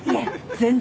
全然。